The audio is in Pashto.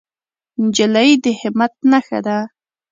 نجلۍ د همت نښه ده.